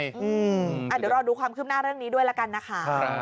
เดี๋ยวรอดูความคืบหน้าเรื่องนี้ด้วยละกันนะคะ